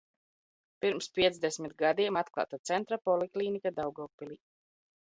Pirms piecdesmit gadiem atklāta Centra poliklīnika Daugavpilī.